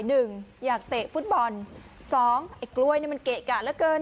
หนึ่งอยากเตะฟุตบอลสองไอ้กล้วยเนี่ยมันเกะกะเหลือเกิน